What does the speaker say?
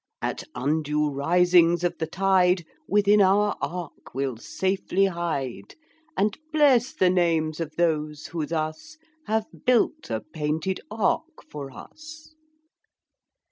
At undue risings of the tide Within our Ark we'll safely hide, And bless the names of those who thus Have built a painted Ark for us.